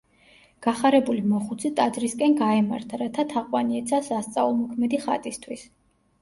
გახარებული მოხუცი ტაძრისკენ გაემართა, რათა თაყვანი ეცა სასწაულმოქმედი ხატისთვის.